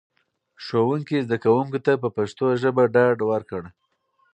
ښوونکي زده کوونکو ته په پښتو ژبه ډاډ ورکړ.